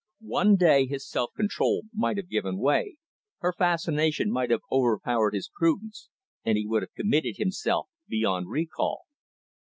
One day, his self control might have given way, her fascination might have overpowered his prudence, and he would have committed himself beyond recall.